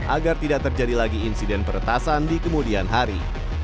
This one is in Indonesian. agar tidak terjadi lagi insiden peretasan di kemudian hari